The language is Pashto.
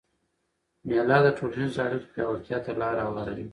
مېله د ټولنیزو اړیکو پیاوړتیا ته لاره هواروي.